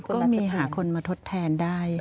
ก็มีหาคนมาทดแทนได้